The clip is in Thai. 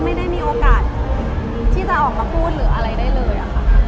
ไม่ได้มีโอกาสที่จะออกมาพูดหรืออะไรได้เลยค่ะ